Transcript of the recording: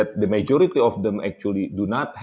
kebanyakan dari mereka sebenarnya tidak memiliki